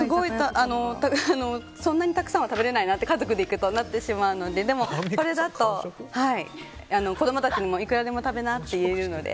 そんなにたくさん食べれないなと家族で行くとなってしまうのででも、これだと子供たちにもいくらでも食べなと言えるので。